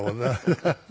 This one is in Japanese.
ハハハハ。